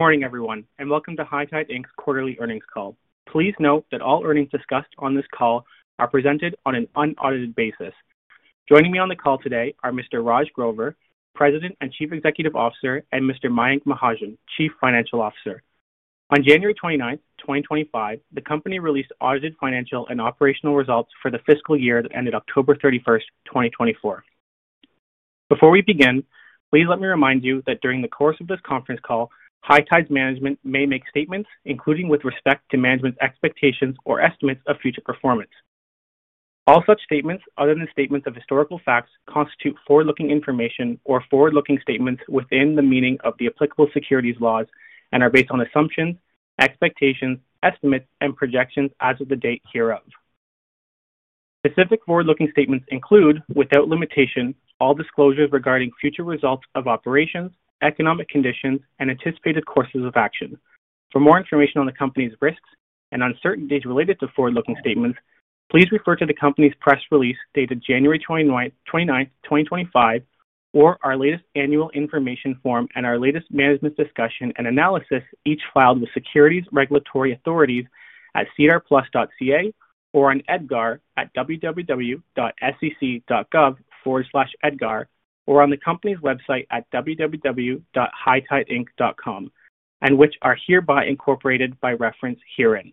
Morning, everyone, and welcome to High Tide Inc.'s quarterly earnings call. Please note that all earnings discussed on this call are presented on an unaudited basis. Joining me on the call today are Mr. Raj Grover, President and Chief Executive Officer, and Mr. Mayank Mahajan, Chief Financial Officer. On January 29th, 2025, the company released audited financial and operational results for the fiscal year that ended October 31st, 2024. Before we begin, please let me remind you that during the course of this conference call, High Tide's management may make statements, including with respect to management's expectations or estimates of future performance. All such statements, other than statements of historical facts, constitute forward-looking information or forward-looking statements within the meaning of the applicable securities laws and are based on assumptions, expectations, estimates, and projections as of the date hereof. Specific forward-looking statements include, without limitation, all disclosures regarding future results of operations, economic conditions, and anticipated courses of action. For more information on the company's risks and uncertainties related to forward-looking statements, please refer to the company's press release dated January 29th, 2025, or our latest annual information form and our latest management's discussion and analysis, each filed with securities regulatory authorities at sedarplus.ca or on www.sec.gov/edgar or on the company's website at www.hightideinc.com, and which are hereby incorporated by reference herein.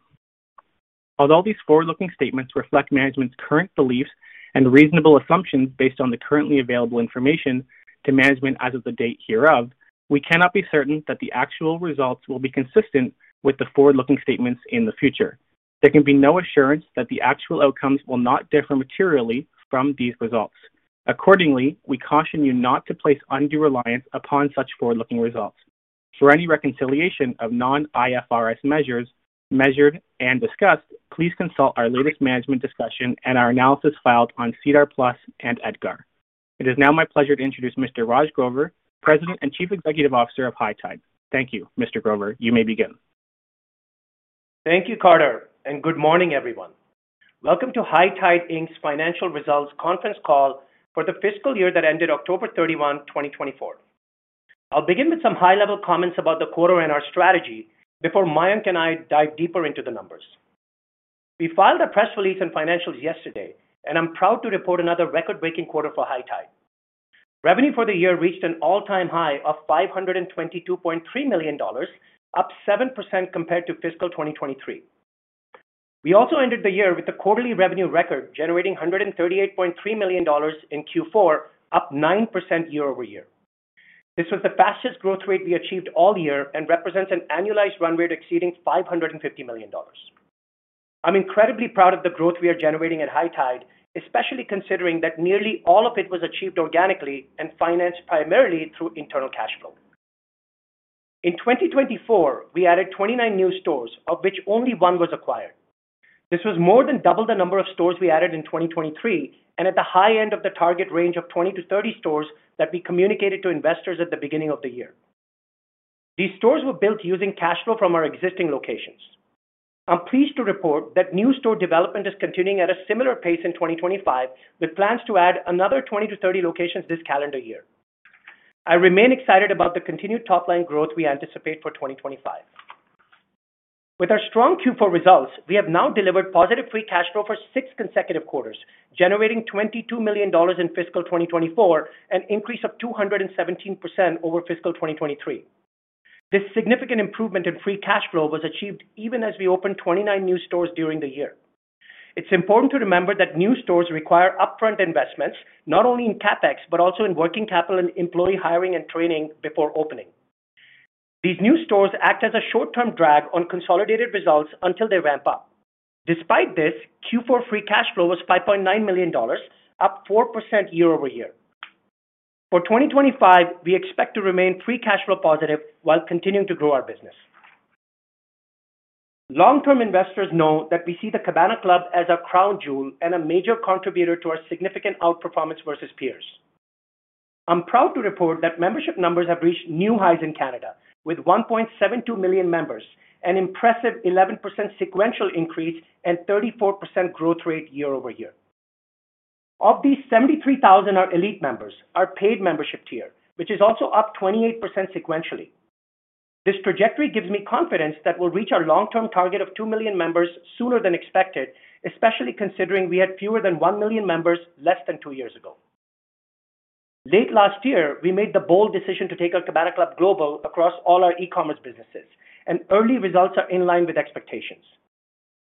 Although these forward-looking statements reflect management's current beliefs and reasonable assumptions based on the currently available information to management as of the date hereof, we cannot be certain that the actual results will be consistent with the forward-looking statements in the future. There can be no assurance that the actual outcomes will not differ materially from these results. Accordingly, we caution you not to place undue reliance upon such forward-looking results. For any reconciliation of non-IFRS measures measured and discussed, please consult our latest Management's Discussion and Analysis filed on SEDAR+ and EDGAR. It is now my pleasure to introduce Mr. Raj Grover, President and Chief Executive Officer of High Tide. Thank you, Mr. Grover. You may begin. Thank you, Carter, and good morning, everyone. Welcome to High Tide Inc.'s financial results conference call for the fiscal year that ended October 31, 2024. I'll begin with some high-level comments about the quarter and our strategy before Mayank and I dive deeper into the numbers. We filed a press release and financials yesterday, and I'm proud to report another record-breaking quarter for High Tide. Revenue for the year reached an all-time high of 522.3 million dollars, up 7% compared to fiscal 2023. We also ended the year with the quarterly revenue record generating 138.3 million dollars in Q4, up 9% year-over-year. This was the fastest growth rate we achieved all year and represents an annualized run rate exceeding 550 million dollars. I'm incredibly proud of the growth we are generating at High Tide, especially considering that nearly all of it was achieved organically and financed primarily through internal cash flow. In 2024, we added 29 new stores, of which only one was acquired. This was more than double the number of stores we added in 2023 and at the high end of the target range of 20 to 30 stores that we communicated to investors at the beginning of the year. These stores were built using cash flow from our existing locations. I'm pleased to report that new store development is continuing at a similar pace in 2025 with plans to add another 20 to 30 locations this calendar year. I remain excited about the continued top-line growth we anticipate for 2025. With our strong Q4 results, we have now delivered positive free cash flow for six consecutive quarters, generating 22 million dollars in fiscal 2024, an increase of 217% over fiscal 2023. This significant improvement in free cash flow was achieved even as we opened 29 new stores during the year. It's important to remember that new stores require upfront investments, not only in CapEx, but also in working capital and employee hiring and training before opening. These new stores act as a short-term drag on consolidated results until they ramp up. Despite this, Q4 free cash flow was 5.9 million dollars, up 4% year-over-year. For 2025, we expect to remain free cash flow positive while continuing to grow our business. Long-term investors know that we see the Cabana Club as a crown jewel and a major contributor to our significant outperformance versus peers. I'm proud to report that membership numbers have reached new highs in Canada, with 1.72 million members, an impressive 11% sequential increase and 34% growth rate year-over-year. Of these, 73,000 are elite members, our paid membership tier, which is also up 28% sequentially. This trajectory gives me confidence that we'll reach our long-term target of 2 million members sooner than expected, especially considering we had fewer than 1 million members less than two years ago. Late last year, we made the bold decision to take our Cabana Club Global across all our e-commerce businesses, and early results are in line with expectations.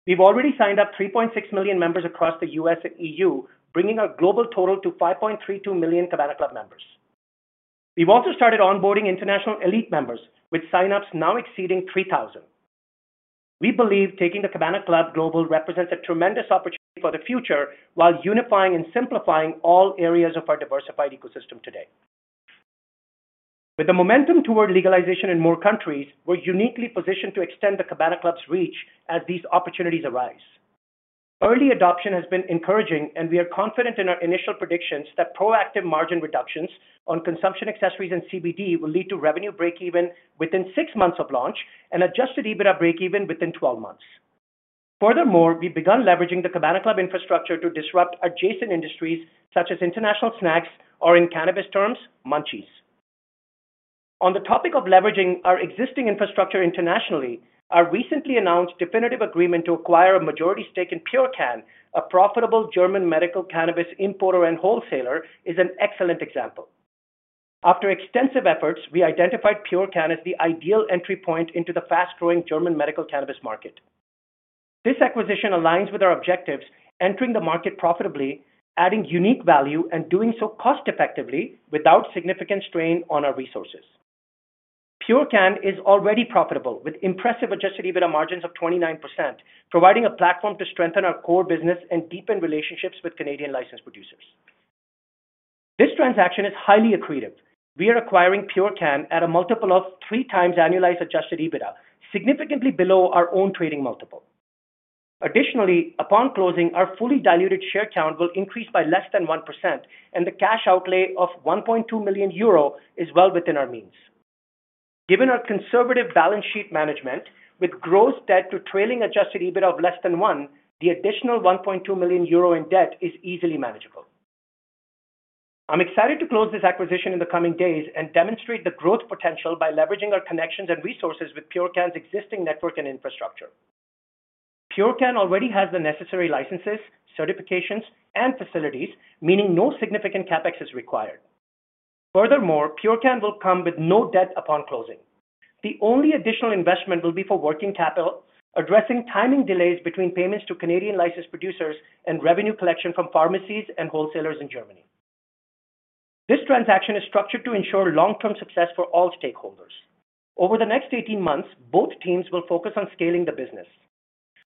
We've already signed up 3.6 million members across the U.S. and E.U., bringing our global total to 5.32 million Cabana Club members. We've also started onboarding international elite members, with sign-ups now exceeding 3,000. We believe taking the Cabana Club Global represents a tremendous opportunity for the future while unifying and simplifying all areas of our diversified ecosystem today. With the momentum toward legalization in more countries, we're uniquely positioned to extend the Cabana Club's reach as these opportunities arise. Early adoption has been encouraging, and we are confident in our initial predictions that proactive margin reductions on consumption accessories and CBD will lead to revenue break-even within six months of launch and Adjusted EBITDA break-even within 12 months. Furthermore, we've begun leveraging the Cabana Club infrastructure to disrupt adjacent industries such as international snacks or, in cannabis terms, munchies. On the topic of leveraging our existing infrastructure internationally, our recently announced definitive agreement to acquire a majority stake in Purecan, a profitable German medical cannabis importer and wholesaler, is an excellent example. After extensive efforts, we identified Purecan as the ideal entry point into the fast-growing German medical cannabis market. This acquisition aligns with our objectives, entering the market profitably, adding unique value, and doing so cost-effectively without significant strain on our resources. Purecan is already profitable, with impressive Adjusted EBITDA margins of 29%, providing a platform to strengthen our core business and deepen relationships with Canadian Licensed Producers. This transaction is highly accretive. We are acquiring Purecan at a multiple of three times annualized Adjusted EBITDA, significantly below our own trading multiple. Additionally, upon closing, our fully diluted share count will increase by less than 1%, and the cash outlay of 1.2 million euro is well within our means. Given our conservative balance sheet management, with gross debt to trailing Adjusted EBITDA of less than 1, the additional 1.2 million euro in debt is easily manageable. I'm excited to close this acquisition in the coming days and demonstrate the growth potential by leveraging our connections and resources with Purecan's existing network and infrastructure. Purecan already has the necessary licenses, certifications, and facilities, meaning no significant CapEx is required. Furthermore, Purecan will come with no debt upon closing. The only additional investment will be for working capital, addressing timing delays between payments to Canadian licensed producers and revenue collection from pharmacies and wholesalers in Germany. This transaction is structured to ensure long-term success for all stakeholders. Over the next 18 months, both teams will focus on scaling the business.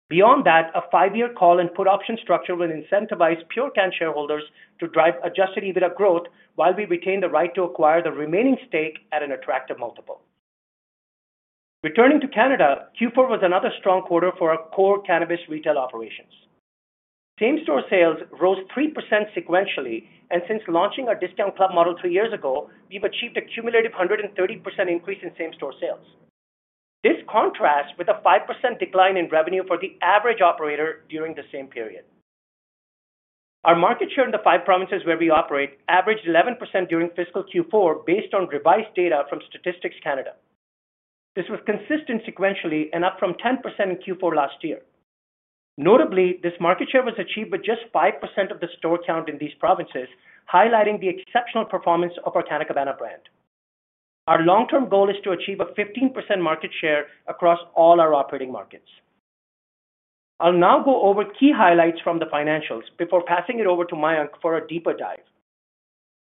Beyond that, a five-year call and put option structure will incentivize Purecan shareholders to drive Adjusted EBITDA growth while we retain the right to acquire the remaining stake at an attractive multiple. Returning to Canada, Q4 was another strong quarter for our core cannabis retail operations. Same-store sales rose 3% sequentially, and since launching our discount club model three years ago, we've achieved a cumulative 130% increase in same-store sales. This contrasts with a 5% decline in revenue for the average operator during the same period. Our market share in the five provinces where we operate averaged 11% during fiscal Q4 based on revised data from Statistics Canada. This was consistent sequentially and up from 10% in Q4 last year. Notably, this market share was achieved with just five% of the store count in these provinces, highlighting the exceptional performance of our Canna Cabana brand. Our long-term goal is to achieve a 15% market share across all our operating markets. I'll now go over key highlights from the financials before passing it over to Mayank for a deeper dive.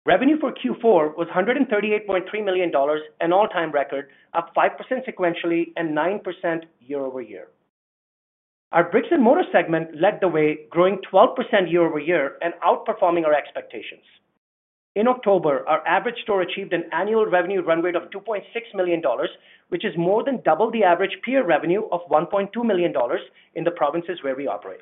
Revenue for Q4 was 138.3 million dollars, an all-time record, up 5% sequentially and 9% year-over-year. Our brick-and-mortar segment led the way, growing 12% year over year and outperforming our expectations. In October, our average store achieved an annual revenue run rate of 2.6 million dollars, which is more than double the average peer revenue of 1.2 million dollars in the provinces where we operate.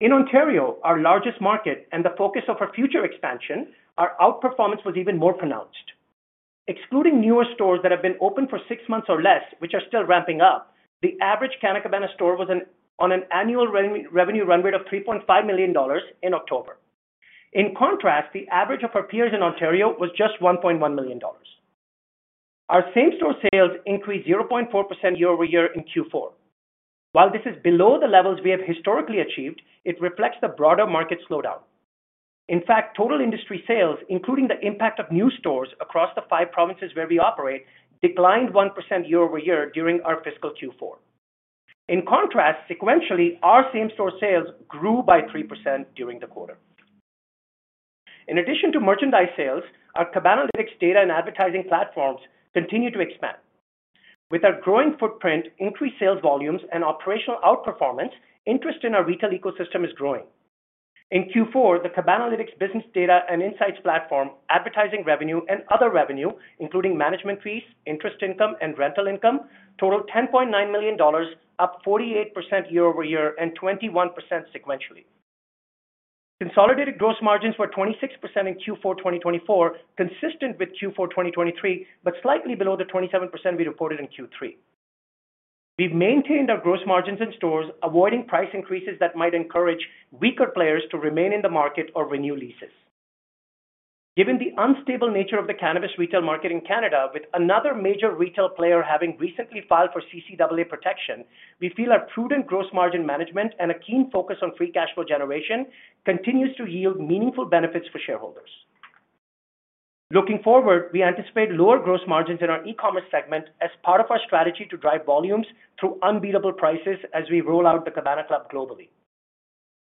In Ontario, our largest market and the focus of our future expansion, our outperformance was even more pronounced. Excluding newer stores that have been open for six months or less, which are still ramping up, the average Canna Cabana store was on an annual revenue run rate of 3.5 million dollars in October. In contrast, the average of our peers in Ontario was just 1.1 million dollars. Our same-store sales increased 0.4% year over year in Q4. While this is below the levels we have historically achieved, it reflects the broader market slowdown. In fact, total industry sales, including the impact of new stores across the five provinces where we operate, declined 1% year over year during our fiscal Q4. In contrast, sequentially, our same-store sales grew by 3% during the quarter. In addition to merchandise sales, our Cabanalytics data and advertising platforms continue to expand. With our growing footprint, increased sales volumes, and operational outperformance, interest in our retail ecosystem is growing. In Q4, the Cabanalytics business data and insights platform, advertising revenue, and other revenue, including management fees, interest income, and rental income, totaled 10.9 million dollars, up 48% year over year and 21% sequentially. Consolidated gross margins were 26% in Q4 2024, consistent with Q4 2023, but slightly below the 27% we reported in Q3. We've maintained our gross margins in stores, avoiding price increases that might encourage weaker players to remain in the market or renew leases. Given the unstable nature of the cannabis retail market in Canada, with another major retail player having recently filed for CCAA protection, we feel our prudent gross margin management and a keen focus on free cash flow generation continues to yield meaningful benefits for shareholders. Looking forward, we anticipate lower gross margins in our e-commerce segment as part of our strategy to drive volumes through unbeatable prices as we roll out the Cabana Club globally.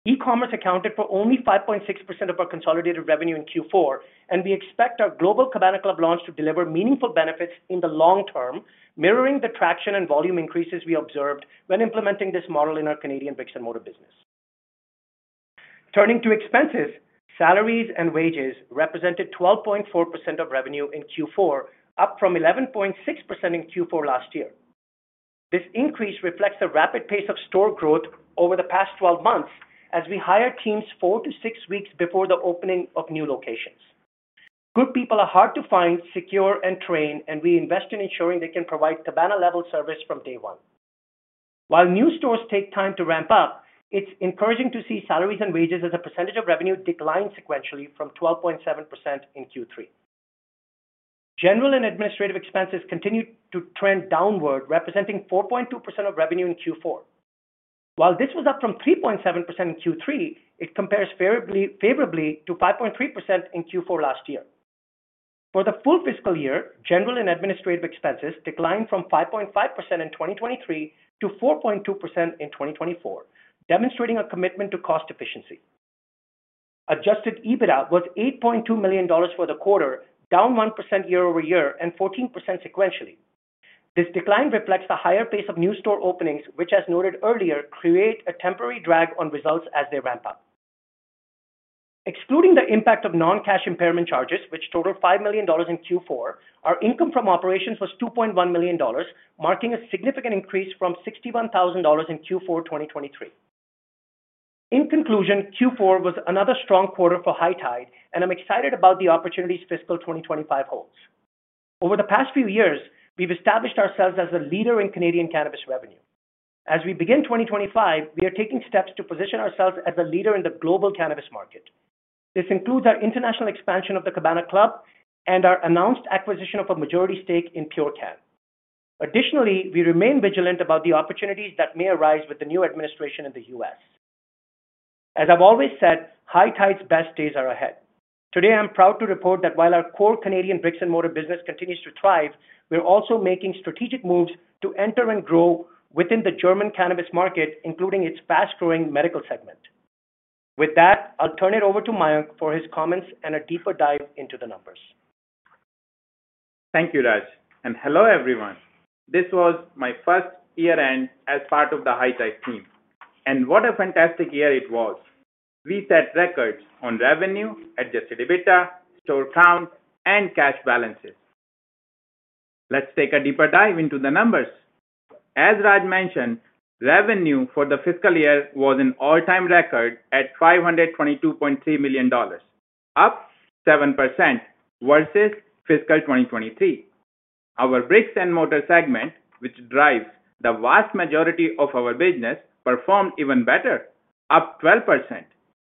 E-commerce accounted for only 5.6% of our consolidated revenue in Q4, and we expect our global Cabana Club launch to deliver meaningful benefits in the long term, mirroring the traction and volume increases we observed when implementing this model in our Canadian brick-and-mortar business. Turning to expenses, salaries and wages represented 12.4% of revenue in Q4, up from 11.6% in Q4 last year. This increase reflects the rapid pace of store growth over the past 12 months as we hire teams four to six weeks before the opening of new locations. Good people are hard to find, secure, and train, and we invest in ensuring they can provide Cabana-level service from day one. While new stores take time to ramp up, it's encouraging to see salaries and wages as a percentage of revenue decline sequentially from 12.7% in Q3. General and administrative expenses continue to trend downward, representing 4.2% of revenue in Q4. While this was up from 3.7% in Q3, it compares favorably to 5.3% in Q4 last year. For the full fiscal year, general and administrative expenses declined from 5.5% in 2023 to 4.2% in 2024, demonstrating a commitment to cost efficiency. Adjusted EBITDA was 8.2 million dollars for the quarter, down 1% year over year and 14% sequentially. This decline reflects the higher pace of new store openings, which, as noted earlier, create a temporary drag on results as they ramp up. Excluding the impact of non-cash impairment charges, which totaled 5 million dollars in Q4, our income from operations was 2.1 million dollars, marking a significant increase from 61,000 dollars in Q4 2023. In conclusion, Q4 was another strong quarter for High Tide, and I'm excited about the opportunities fiscal 2025 holds. Over the past few years, we've established ourselves as a leader in Canadian cannabis revenue. As we begin 2025, we are taking steps to position ourselves as a leader in the global cannabis market. This includes our international expansion of the Cabana Club and our announced acquisition of a majority stake in Purecan. Additionally, we remain vigilant about the opportunities that may arise with the new administration in the U.S. As I've always said, High Tide's best days are ahead. Today, I'm proud to report that while our core Canadian brick-and-mortar business continues to thrive, we're also making strategic moves to enter and grow within the German cannabis market, including its fast-growing medical segment. With that, I'll turn it over to Mayank for his comments and a deeper dive into the numbers. Thank you, Raj, and hello, everyone. This was my first year-end as part of the High Tide team, and what a fantastic year it was. We set records on revenue, Adjusted EBITDA, store count, and cash balances. Let's take a deeper dive into the numbers. As Raj mentioned, revenue for the fiscal year was an all-time record at 522.3 million dollars, up 7% versus fiscal 2023. Our brick-and-mortar segment, which drives the vast majority of our business, performed even better, up 12%.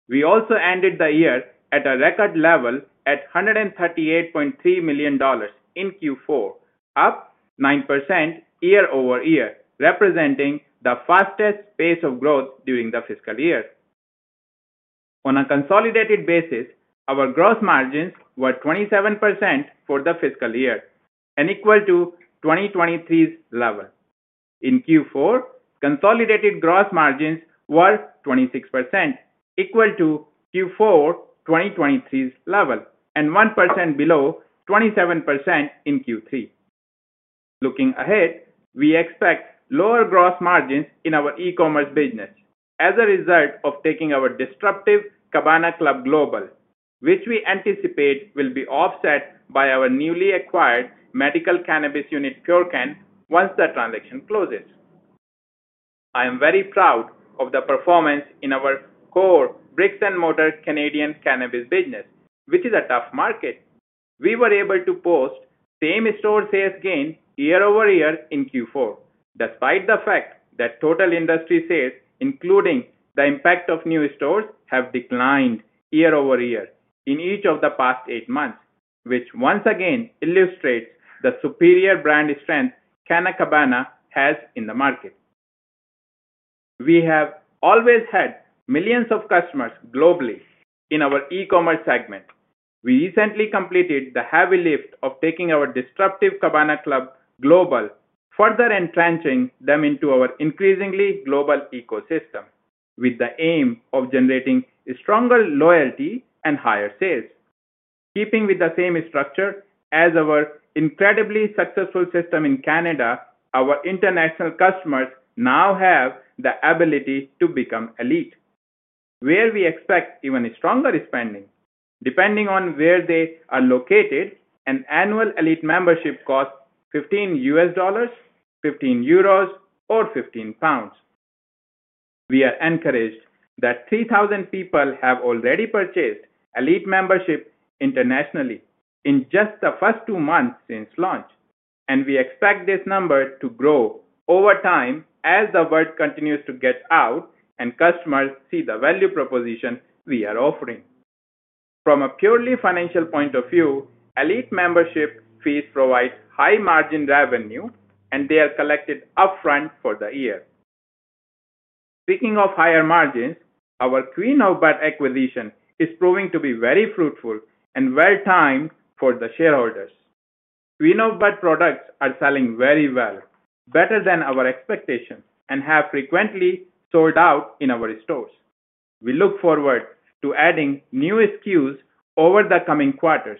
We also ended the year at a record level at 138.3 million dollars in Q4, up 9% year-over-year, representing the fastest pace of growth during the fiscal year. On a consolidated basis, our gross margins were 27% for the fiscal year, and equal to 2023's level. In Q4, consolidated gross margins were 26%, equal to Q4 2023's level, and 1% below 27% in Q3. Looking ahead, we expect lower gross margins in our e-commerce business as a result of taking our disruptive Cabana Club Global, which we anticipate will be offset by our newly acquired medical cannabis unit, Purecan, once the transaction closes. I am very proud of the performance in our core brick-and-mortar Canadian cannabis business, which is a tough market. We were able to post same-store sales gain year-over-year in Q4, despite the fact that total industry sales, including the impact of new stores, have declined year-over-year in each of the past eight months, which once again illustrates the superior brand strength Canna Cabana has in the market. We have always had millions of customers globally in our e-commerce segment. We recently completed the heavy lift of taking our disruptive Cabana Club Global further, entrenching them into our increasingly global ecosystem with the aim of generating stronger loyalty and higher sales. Keeping with the same structure as our incredibly successful system in Canada, our international customers now have the ability to become Elite, where we expect even stronger spending. Depending on where they are located, an annual Elite membership costs $15 USD, 15 euros, or 15 pounds. We are encouraged that 3,000 people have already purchased Elite membership internationally in just the first two months since launch, and we expect this number to grow over time as the word continues to get out and customers see the value proposition we are offering. From a purely financial point of view, Elite membership fees provide high-margin revenue, and they are collected upfront for the year. Speaking of higher margins, our Queen Of Bud acquisition is proving to be very fruitful and well-timed for the shareholders. Queen Of Bud products are selling very well, better than our expectations, and have frequently sold out in our stores. We look forward to adding new SKUs over the coming quarters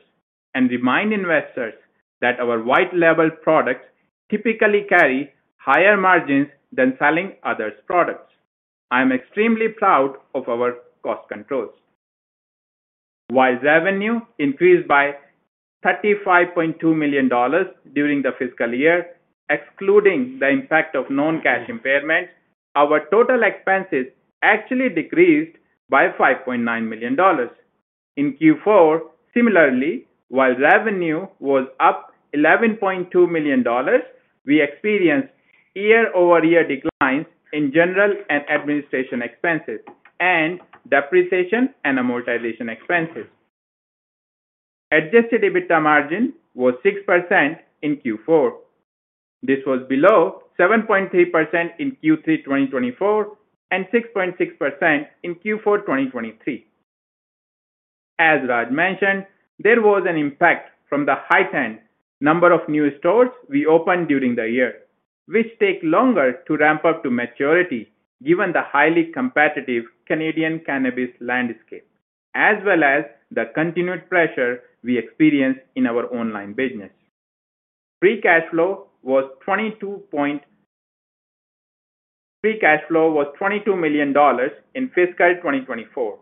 and remind investors that our white-label products typically carry higher margins than selling others' products. I am extremely proud of our cost controls. While revenue increased by 35.2 million dollars during the fiscal year, excluding the impact of non-cash impairment, our total expenses actually decreased by 5.9 million dollars. In Q4, similarly, while revenue was up 11.2 million dollars, we experienced year-over-year declines in general and administration expenses and depreciation and amortization expenses. Adjusted EBITDA margin was 6% in Q4. This was below 7.3% in Q3 2024 and 6.6% in Q4 2023. As Raj mentioned, there was an impact from the high-end number of new stores we opened during the year, which takes longer to ramp up to maturity given the highly competitive Canadian cannabis landscape, as well as the continued pressure we experience in our online business. Free cash flow was 22.2 million dollars in fiscal 2024,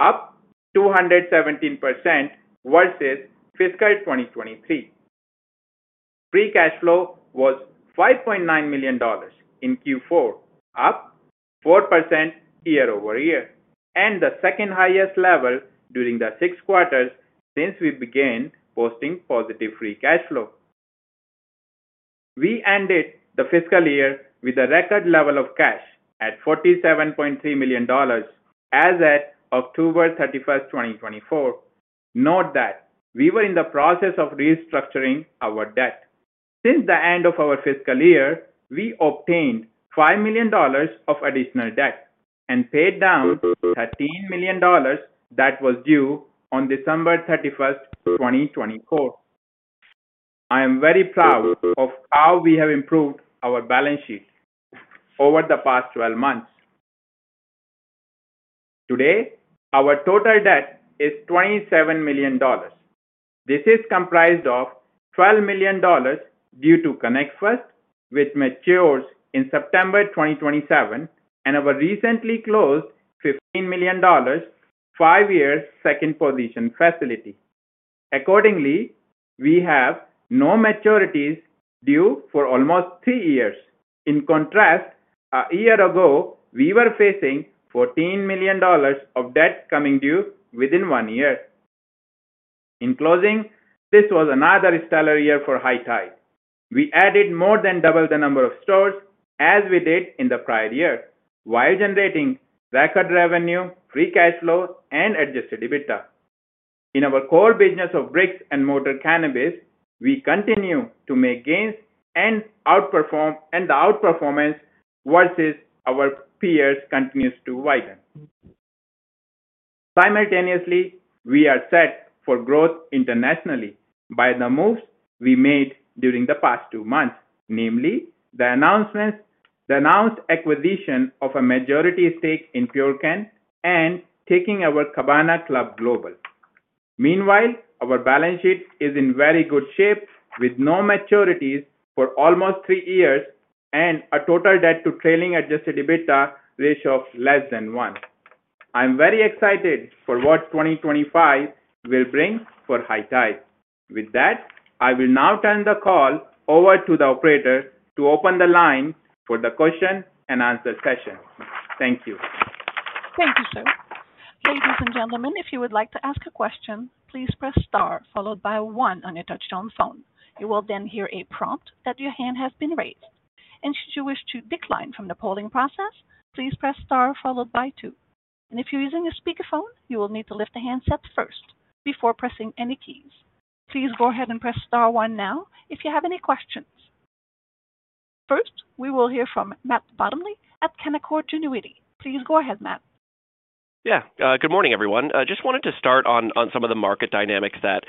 up 217% versus fiscal 2023. Free cash flow was 5.9 million dollars in Q4, up 4% year-over-year, and the second-highest level during the six quarters since we began posting positive free cash flow. We ended the fiscal year with a record level of cash at 47.3 million dollars as at October 31, 2024. Note that we were in the process of restructuring our debt. Since the end of our fiscal year, we obtained 5 million dollars of additional debt and paid down 13 million dollars that was due on December 31, 2024. I am very proud of how we have improved our balance sheet over the past 12 months. Today, our total debt is 27 million dollars. This is comprised of 12 million dollars due to Connect First, which matures in September 2027, and our recently closed 15 million dollars, five-year second-position facility. Accordingly, we have no maturities due for almost three years. In contrast, a year ago, we were facing $14 million of debt coming due within one year. In closing, this was another stellar year for High Tide. We added more than double the number of stores as we did in the prior year, while generating record revenue, free cash flow, and adjusted EBITDA. In our core business of brick-and-mortar cannabis, we continue to make gains and outperform, and the outperformance versus our peers continues to widen. Simultaneously, we are set for growth internationally by the moves we made during the past two months, namely the announced acquisition of a majority stake in Purecan and taking our Cabana Club Global. Meanwhile, our balance sheet is in very good shape with no maturities for almost three years and a total debt-to-trailing adjusted EBITDA ratio of less than one. I am very excited for what 2025 will bring for High Tide. With that, I will now turn the call over to the operator to open the line for the question-and-answer session. Thank you. Thank you, sir. Ladies and gentlemen, if you would like to ask a question, please press star followed by one on your touch-tone phone. You will then hear a prompt that your hand has been raised. And should you wish to decline from the polling process, please press star followed by two. And if you're using a speakerphone, you will need to lift the handset first before pressing any keys. Please go ahead and press star one now if you have any questions. First, we will hear from Matt Bottomley at Canaccord Genuity. Please go ahead, Matt. Yeah. Good morning, everyone. Just wanted to start on some of the market dynamics that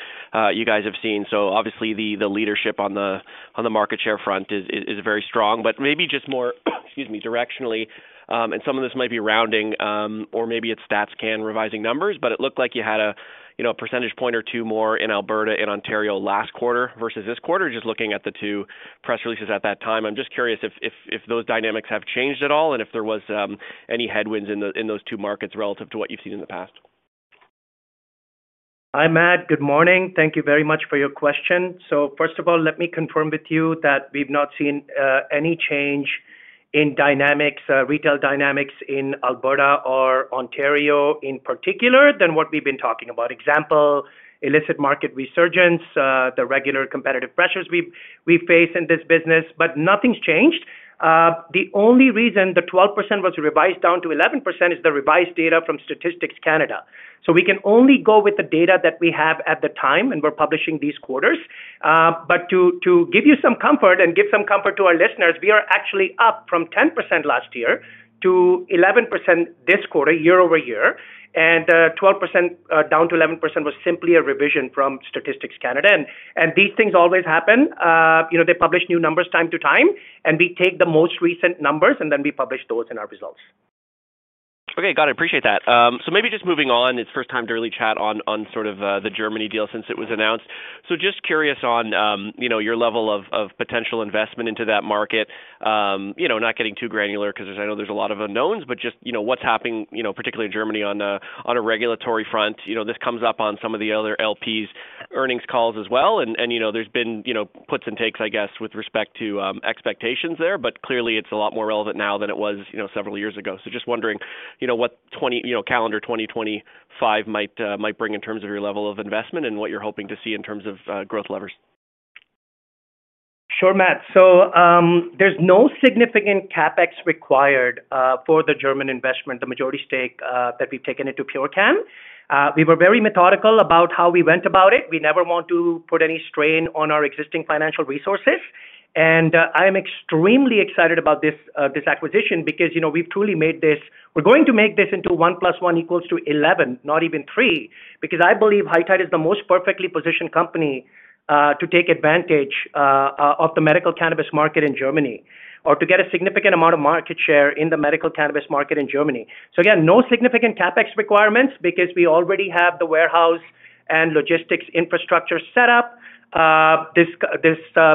you guys have seen. Obviously, the leadership on the market share front is very strong, but maybe just more, excuse me, directionally. Some of this might be rounding, or maybe it's Statistics Canada revising numbers, but it looked like you had a percentage point or two more in Alberta and Ontario last quarter versus this quarter, just looking at the two press releases at that time. I'm just curious if those dynamics have changed at all and if there were any headwinds in those two markets relative to what you've seen in the past. Hi, Matt. Good morning. Thank you very much for your question. First of all, let me confirm with you that we've not seen any change in dynamics, retail dynamics in Alberta or Ontario in particular than what we've been talking about. Example, illicit market resurgence, the regular competitive pressures we face in this business, but nothing's changed. The only reason the 12% was revised down to 11% is the revised data from Statistics Canada. So we can only go with the data that we have at the time, and we're publishing these quarters. But to give you some comfort and give some comfort to our listeners, we are actually up from 10% last year to 11% this quarter, year-over-year. And 12% down to 11% was simply a revision from Statistics Canada. And these things always happen. They publish new numbers time to time, and we take the most recent numbers, and then we publish those in our results. Okay. Got it. Appreciate that. So maybe just moving on, it's first time to really chat on sort of the Germany deal since it was announced. Just curious on your level of potential investment into that market, not getting too granular because I know there's a lot of unknowns, but just what's happening, particularly in Germany on a regulatory front. This comes up on some of the other LP's earnings calls as well. There's been puts and takes, I guess, with respect to expectations there, but clearly, it's a lot more relevant now than it was several years ago. So just wondering what calendar 2025 might bring in terms of your level of investment and what you're hoping to see in terms of growth levers. Sure, Matt. So there's no significant CapEx required for the German investment, the majority stake that we've taken into Purecan. We were very methodical about how we went about it. We never want to put any strain on our existing financial resources. I am extremely excited about this acquisition because we're going to make this into one plus one equals eleven, not even three, because I believe High Tide is the most perfectly positioned company to take advantage of the medical cannabis market in Germany or to get a significant amount of market share in the medical cannabis market in Germany. Again, no significant CapEx requirements because we already have the warehouse and logistics infrastructure set up. This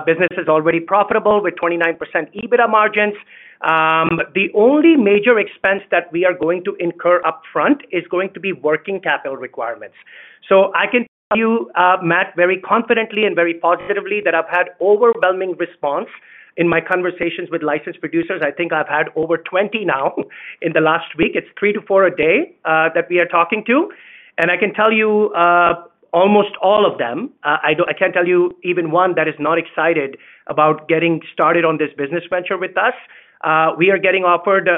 business is already profitable with 29% EBITDA margins. The only major expense that we are going to incur upfront is going to be working capital requirements. I can tell you, Matt, very confidently and very positively that I've had overwhelming response in my conversations with licensed producers. I think I've had over 20 now in the last week. It's three to four a day that we are talking to, and I can tell you almost all of them. I can't tell you even one that is not excited about getting started on this business venture with us. We are getting offered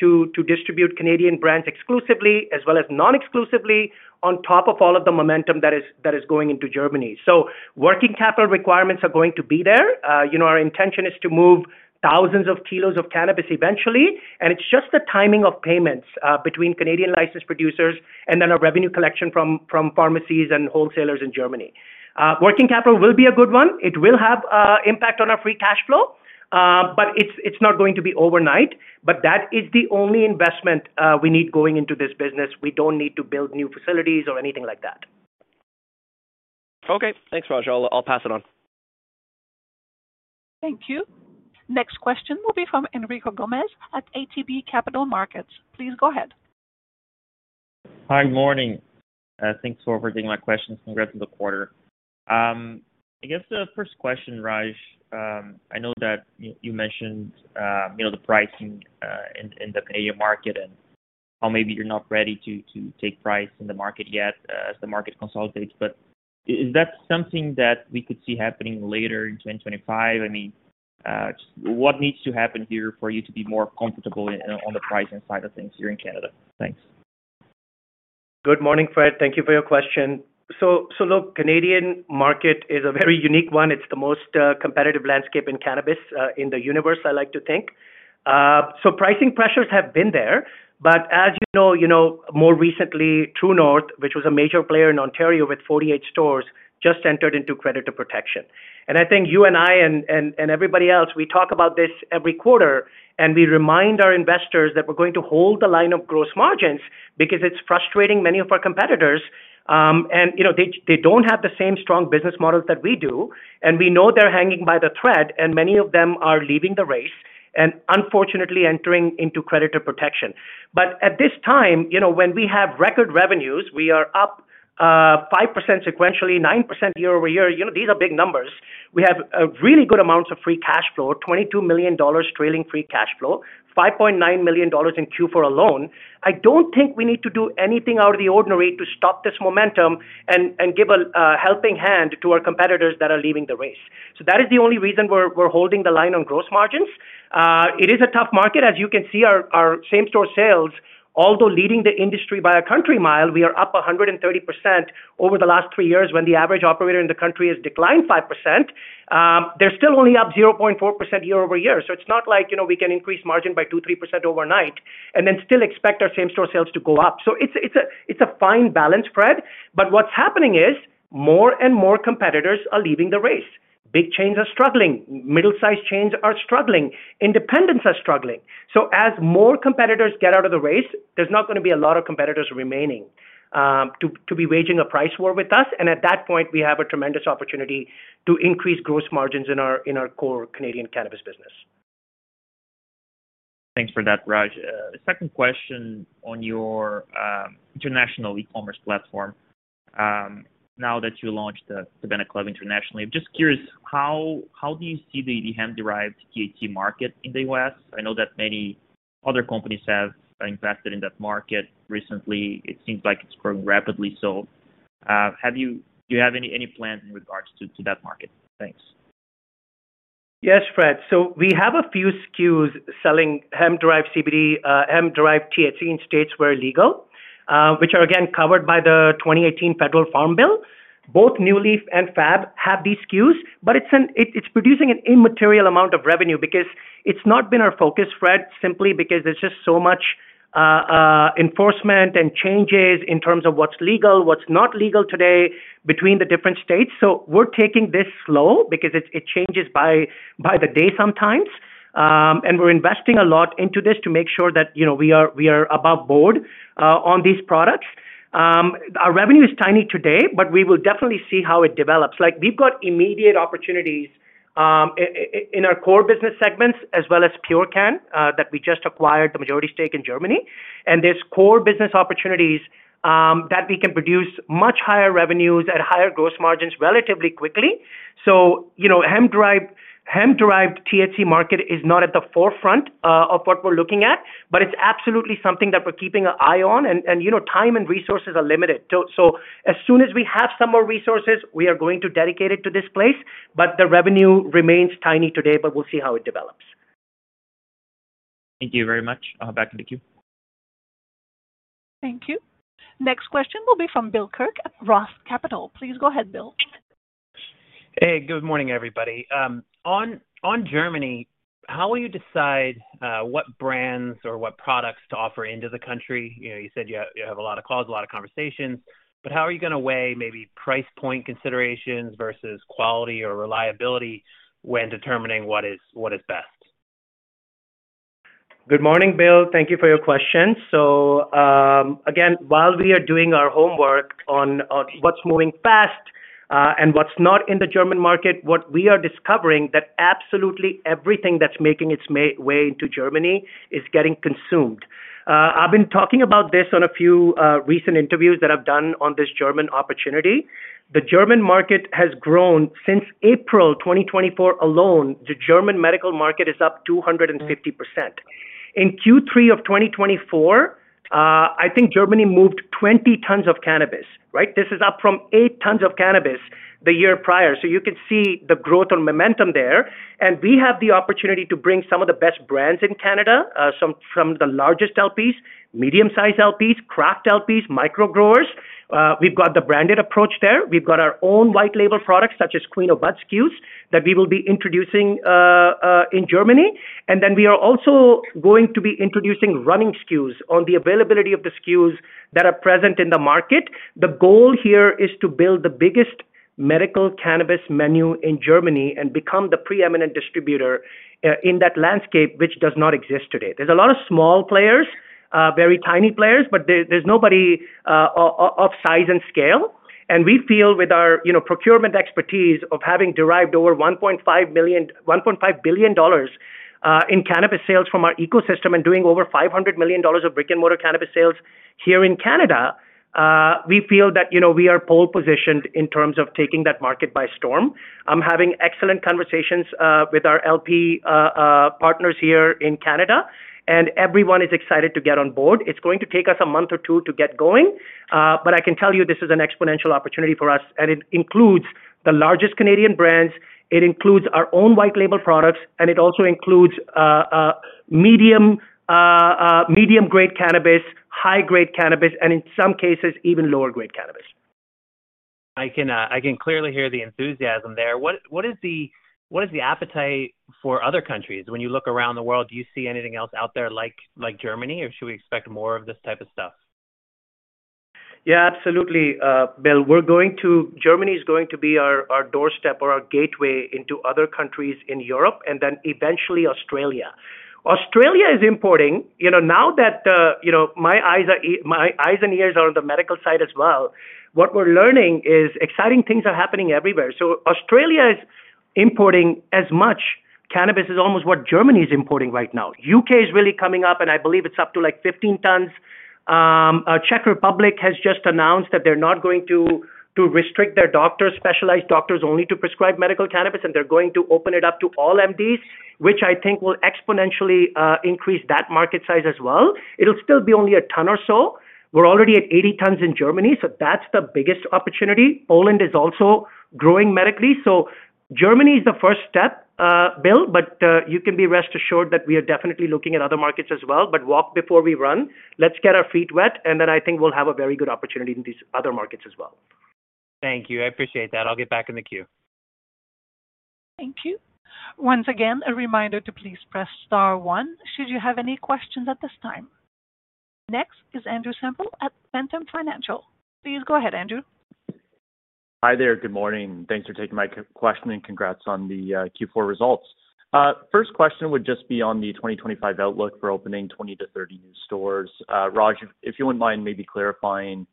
to distribute Canadian brands exclusively as well as non-exclusively on top of all of the momentum that is going into Germany, so working capital requirements are going to be there. Our intention is to move thousands of kilos of cannabis eventually, and it's just the timing of payments between Canadian licensed producers and then our revenue collection from pharmacies and wholesalers in Germany. Working capital will be a good one. It will have an impact on our free cash flow, but it's not going to be overnight, but that is the only investment we need going into this business. We don't need to build new facilities or anything like that. Okay. Thanks, Raj. I'll pass it on. Thank you. Next question will be from Frederico Gomes at ATB Capital Markets. Please go ahead. Hi, good morning. Thanks for forwarding my questions. Congrats on the quarter. I guess the first question, Raj, I know that you mentioned the pricing in the player market and how maybe you're not ready to take price in the market yet as the market consolidates. But is that something that we could see happening later in 2025? I mean, what needs to happen here for you to be more comfortable on the pricing side of things here in Canada? Thanks. Good morning, Fred. Thank you for your question. So look, the Canadian market is a very unique one. It's the most competitive landscape in cannabis in the universe, I like to think. Pricing pressures have been there. But as you know, more recently, True North, which was a major player in Ontario with 48 stores, just entered into creditor protection. I think you and I and everybody else, we talk about this every quarter, and we remind our investors that we're going to hold the line of gross margins because it's frustrating many of our competitors. They don't have the same strong business model that we do. We know they're hanging by the thread, and many of them are leaving the race and unfortunately entering into creditor protection. But at this time, when we have record revenues, we are up 5% sequentially, 9% year over year. These are big numbers. We have really good amounts of free cash flow, 22 million dollars trailing free cash flow, 5.9 million dollars in Q4 alone. I don't think we need to do anything out of the ordinary to stop this momentum and give a helping hand to our competitors that are leaving the race. So that is the only reason we're holding the line on gross margins. It is a tough market. As you can see, our same-store sales, although leading the industry by a country mile, we are up 130% over the last three years when the average operator in the country has declined 5%. They're still only up 0.4% year-over-year. So it's not like we can increase margin by 2-3% overnight and then still expect our same-store sales to go up. So it's a fine balance, Fred. But what's happening is more and more competitors are leaving the race. Big chains are struggling. Middle-sized chains are struggling. Independents are struggling. So as more competitors get out of the race, there's not going to be a lot of competitors remaining to be waging a price war with us, and at that point, we have a tremendous opportunity to increase gross margins in our core Canadian cannabis business. Thanks for that, Raj. Second question on your international e-commerce platform. Now that you launched the Cabana Club internationally, I'm just curious, how do you see the hemp-derived THC market in the U.S.? I know that many other companies have invested in that market recently. It seems like it's growing rapidly. So do you have any plans in regards to that market? Thanks. Yes, Fred. So we have a few SKUs selling hemp-derived THC in states where legal, which are, again, covered by the 2018 Federal Farm Bill. Both NewLeaf and FAB have these SKUs, but it's producing an immaterial amount of revenue because it's not been our focus, Fred, simply because there's just so much enforcement and changes in terms of what's legal, what's not legal today between the different states, so we're taking this slow because it changes by the day sometimes, and we're investing a lot into this to make sure that we are above board on these products. Our revenue is tiny today, but we will definitely see how it develops. We've got immediate opportunities in our core business segments as well as Purecan that we just acquired the majority stake in Germany, and there's core business opportunities that we can produce much higher revenues at higher gross margins relatively quickly. Hemp-derived THC market is not at the forefront of what we're looking at, but it's absolutely something that we're keeping an eye on. Time and resources are limited. So as soon as we have some more resources, we are going to dedicate it to this place. But the revenue remains tiny today, but we'll see how it develops. Thank you very much. I'll back into queue. Thank you. Next question will be from Bill Kirk at Roth MKM. Please go ahead, Bill. Hey, good morning, everybody. On Germany, how will you decide what brands or what products to offer into the country? You said you have a lot of calls, a lot of conversations. But how are you going to weigh maybe price point considerations versus quality or reliability when determining what is best? Good morning, Bill. Thank you for your question. So again, while we are doing our homework on what's moving fast and what's not in the German market, what we are discovering is that absolutely everything that's making its way into Germany is getting consumed. I've been talking about this on a few recent interviews that I've done on this German opportunity. The German market has grown since April 2024 alone. The German medical market is up 250%. In Q3 of 2024, I think Germany moved 20 tons of cannabis, right? This is up from eight tons of cannabis the year prior. So you can see the growth and momentum there. We have the opportunity to bring some of the best brands in Canada, some of the largest LPs, medium-sized LPs, craft LPs, micro growers. We've got the branded approach there. We've got our own white label products such as Queen of Bud SKUs that we will be introducing in Germany. Then we are also going to be introducing running SKUs on the availability of the SKUs that are present in the market. The goal here is to build the biggest medical cannabis menu in Germany and become the preeminent distributor in that landscape, which does not exist today. There's a lot of small players, very tiny players, but there's nobody of size and scale. We feel with our procurement expertise of having derived over 1.5 billion dollars in cannabis sales from our ecosystem and doing over 500 million dollars of brick-and-mortar cannabis sales here in Canada, we feel that we are well positioned in terms of taking that market by storm. I'm having excellent conversations with our LP partners here in Canada, and everyone is excited to get on board. It's going to take us a month or two to get going. But I can tell you this is an exponential opportunity for us. It includes the largest Canadian brands. It includes our own white label products. And it also includes medium-grade cannabis, high-grade cannabis, and in some cases, even lower-grade cannabis. I can clearly hear the enthusiasm there. What is the appetite for other countries? When you look around the world, do you see anything else out there like Germany, or should we expect more of this type of stuff? Yeah, absolutely, Bill. Germany is going to be our doorstep or our gateway into other countries in Europe and then eventually Australia. Australia is importing. Now that my eyes and ears are on the medical side as well, what we're learning is exciting things are happening everywhere. So Australia is importing as much cannabis as almost what Germany is importing right now. U.K. is really coming up, and I believe it's up to like 15 tons. Czech Republic has just announced that they're not going to restrict their doctors, specialized doctors only to prescribe medical cannabis, and they're going to open it up to all MDs, which I think will exponentially increase that market size as well. It'll still be only a ton or so. We're already at 80 tons in Germany, so that's the biggest opportunity. Poland is also growing medically. So Germany is the first step, Bill, but you can be rest assured that we are definitely looking at other markets as well. But walk before we run. Let's get our feet wet, and then I think we'll have a very good opportunity in these other markets as well. Thank you. I appreciate that. I'll get back in the queue. Thank you. Once again, a reminder to please press star one should you have any questions at this time. Next is Andrew Semple at Ventum Financial. Please go ahead, Andrew. Hi there. Good morning. Thanks for taking my question and congrats on the Q4 results. First question would just be on the 2025 outlook for opening 20-30 new stores. Raj, if you wouldn't mind maybe clarifying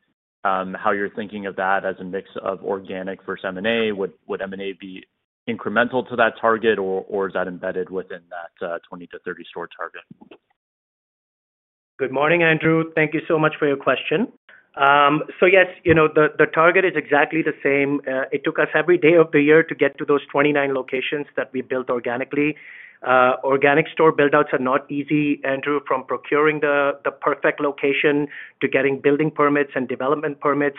how you're thinking of that as a mix of organic versus M&A, would M&A be incremental to that target, or is that embedded within that 20-30 store target? Good morning, Andrew. Thank you so much for your question. So yes, the target is exactly the same. It took us every day of the year to get to those 29 locations that we built organically. Organic store buildouts are not easy, Andrew, from procuring the perfect location to getting building permits and development permits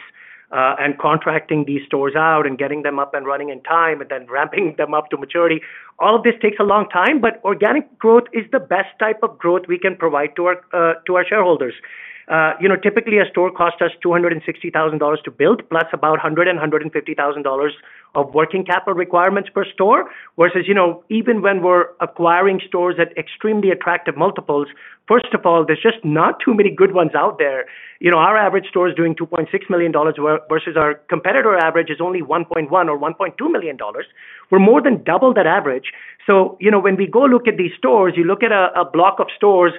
and contracting these stores out and getting them up and running in time and then ramping them up to maturity. All of this takes a long time, but organic growth is the best type of growth we can provide to our shareholders. Typically, a store costs us 260,000 dollars to build, plus about 100,000 and 150,000 dollars of working capital requirements per store versus even when we're acquiring stores at extremely attractive multiples. First of all, there's just not too many good ones out there. Our average store is doing 2.6 million dollars versus our competitor average is only 1.1 or 1.2 million dollars. We're more than double that average. When we go look at these stores, you look at a block of stores.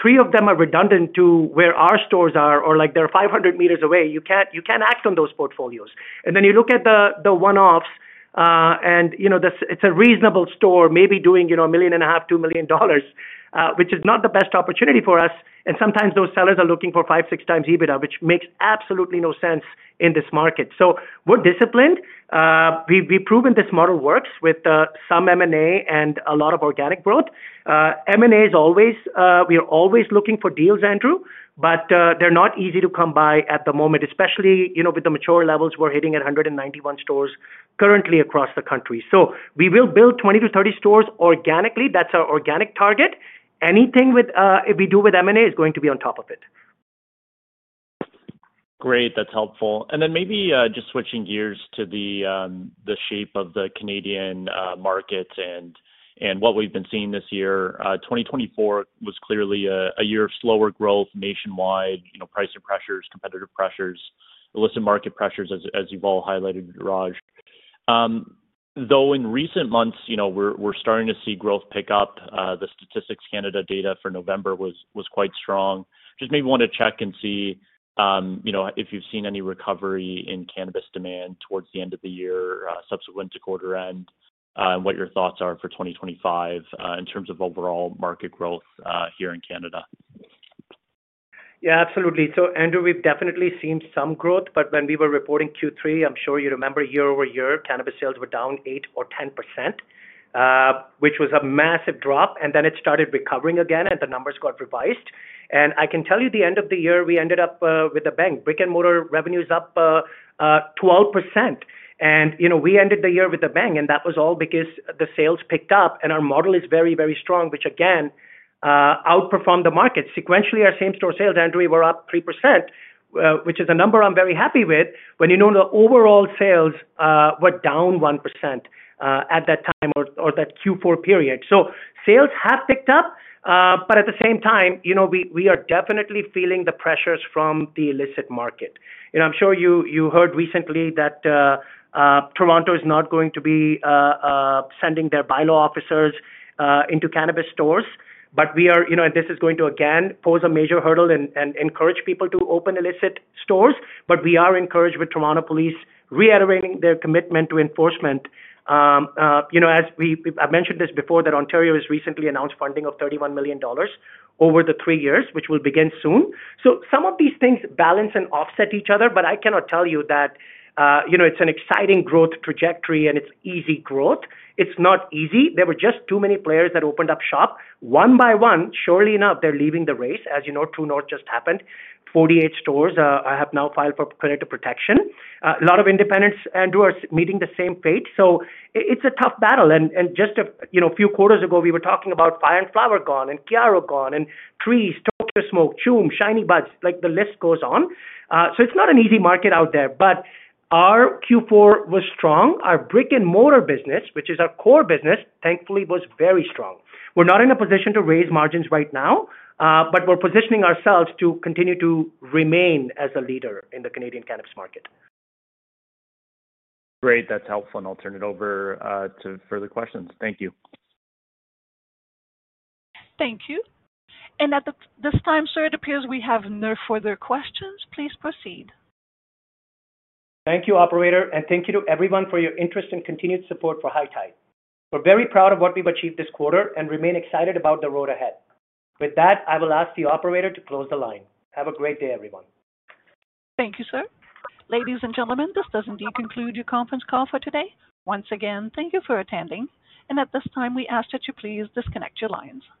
Three of them are redundant to where our stores are or they're 500 meters away. You can't act on those portfolios. Then you look at the one-offs, and it's a reasonable store maybe doing $1.5 million-$2 million, which is not the best opportunity for us. Sometimes those sellers are looking for five-six times EBITDA, which makes absolutely no sense in this market. We're disciplined. We've proven this model works with some M&A and a lot of organic growth. M&A is always. We are always looking for deals, Andrew, but they're not easy to come by at the moment, especially with the mature levels we're hitting at 191 stores currently across the country. We will build 20-30 stores organically. That's our organic target. Anything we do with M&A is going to be on top of it. Great. That's helpful. Then maybe just switching gears to the shape of the Canadian market and what we've been seeing this year. 2024 was clearly a year of slower growth nationwide, pricing pressures, competitive pressures, illicit market pressures, as you've all highlighted, Raj. Though in recent months, we're starting to see growth pick up. The Statistics Canada data for November was quite strong. Just maybe want to check and see if you've seen any recovery in cannabis demand towards the end of the year, subsequent to quarter end, and what your thoughts are for 2025 in terms of overall market growth here in Canada. Yeah, absolutely. So Andrew, we've definitely seen some growth, but when we were reporting Q3, I'm sure you remember year-over-year, cannabis sales were down 8% or 10%, which was a massive drop, and then it started recovering again, and the numbers got revised, and I can tell you, at the end of the year, we ended up with a bang. Brick-and-mortar revenues up 12%, and we ended the year with a bang, and that was all because the sales picked up, and our model is very, very strong, which again outperformed the market. Sequentially, our same-store sales, Andrew, were up 3%, which is a number I'm very happy with when, you know, the overall sales were down 1% at that time or that Q4 period, so sales have picked up, but at the same time, we are definitely feeling the pressures from the illicit market. I'm sure you heard recently that Toronto is not going to be sending their bylaw officers into cannabis stores, but we are, and this is going to, again, pose a major hurdle and encourage people to open illicit stores. But we are encouraged with Toronto police reiterating their commitment to enforcement. As I've mentioned this before, that Ontario has recently announced funding of 31 million dollars over the three years, which will begin soon. So some of these things balance and offset each other, but I cannot tell you that it's an exciting growth trajectory and it's easy growth. It's not easy. There were just too many players that opened up shop. One by one, surely enough, they're leaving the race. As you know, True North just happened. 48 stores have now filed for creditor protection. A lot of independents, Andrew, are meeting the same fate. So it's a tough battle. Just a few quarters ago, we were talking about Fire & Flower gone and Kiaro gone and Trees, Tokyo Smoke, Choom, Shiny Buds. The list goes on. It's not an easy market out there, but our Q4 was strong. Our brick-and-mortar business, which is our core business, thankfully was very strong. We're not in a position to raise margins right now, but we're positioning ourselves to continue to remain as a leader in the Canadian cannabis market. Great. That's helpful. I'll turn it over to further questions. Thank you. Thank you. At this time, sir, it appears we have no further questions. Please proceed. Thank you, Operator, and thank you to everyone for your interest and continued support for High Tide. We're very proud of what we've achieved this quarter and remain excited about the road ahead. With that, I will ask the Operator to close the line. Have a great day, everyone. Thank you, sir. Ladies and gentlemen, this does indeed conclude your conference call for today. Once again, thank you for attending. And at this time, we ask that you please disconnect your lines.